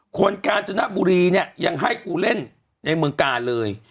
กาญจนบุรีเนี่ยยังให้กูเล่นในเมืองกาลเลย